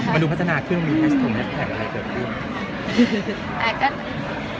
มาดูพัฒนาเครื่องมีแฮชโทรมแฮชแพคอะไรเกิดขึ้น